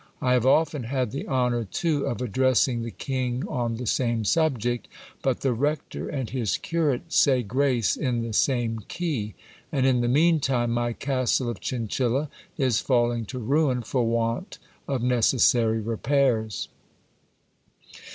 I have often had the honour, too, of addressing the king on the same subject ; but the rector and his curate say grace in the same key ; and in the mean time, my castle of Chinchilla is falling to ruin for want of necessary repairs.